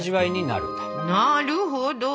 なるほど。